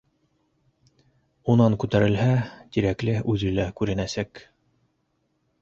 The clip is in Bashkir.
Унан күтәрелһә, Тирәкле үҙе лә күренәсәк.